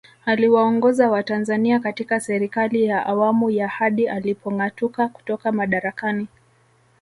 Aliwaongoza watanzania katika Serikali ya Awamu ya hadi alipongatuka kutoka madarakani